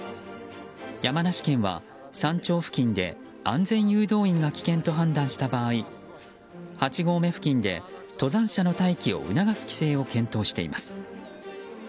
山梨県は山頂付近で安全誘導員が危険と判断した場合８合目付近で登山者の待機を促す規制を検討しています。